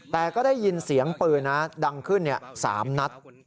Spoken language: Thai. แต่ก็ได้ยินเสียงปืนนะดังขึ้นเนี่ยสามนัด